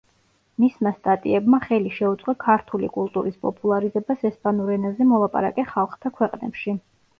მისმა სტატიებმა ხელი შეუწყო ქართული კულტურის პოპულარიზებას ესპანურ ენაზე მოლაპარაკე ხალხთა ქვეყნებში.